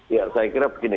ya saya kira begini